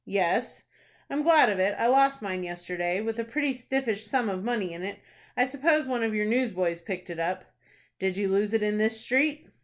"Yes." "I'm glad of it. I lost mine yesterday, with a pretty stiffish sum of money in it. I suppose one of your newsboys picked it up." "Did you lose it in this street?"